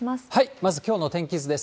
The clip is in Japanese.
まず、きょうの天気図です。